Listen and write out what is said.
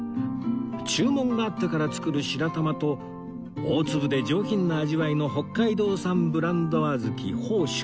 注文があってから作る白玉と大粒で上品な味わいの北海道産ブランド小豆豊祝